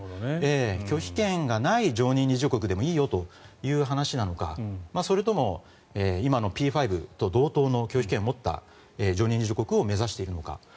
拒否権がない常任理事国でもいいのかそれとも今のＰ５と同等の拒否権を持った常任理事国を目指しているのか。